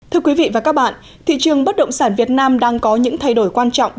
thưa quý vị và các bạn thị trường bất động sản việt nam đang có những thay đổi quan trọng